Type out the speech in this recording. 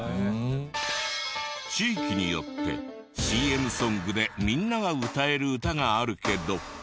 地域によってＣＭソングでみんなが歌える歌があるけど。